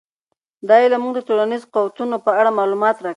دا علم موږ ته د ټولنیزو قوتونو په اړه معلومات راکوي.